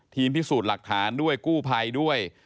ทีมผิดสูตรหลักฐานด้วยกู้ภัยด้วย